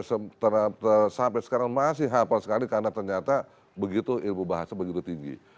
sampai sekarang masih hafal sekali karena ternyata begitu ilmu bahasa begitu tinggi